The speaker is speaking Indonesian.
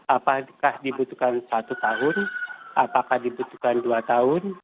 apakah dibutuhkan satu tahun apakah dibutuhkan dua tahun